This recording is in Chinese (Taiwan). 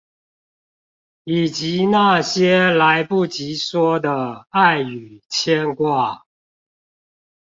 以及那些來不及說的愛與牽掛